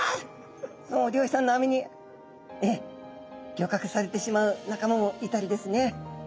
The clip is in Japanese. もう漁師さんの網に漁獲されてしまう仲間もいたりですね。